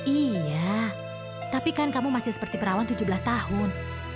iya tapi kan kamu masih seperti perawan tujuh belas tahun